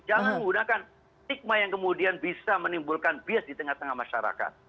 jangan menggunakan stigma yang kemudian bisa menimbulkan bias di tengah tengah masyarakat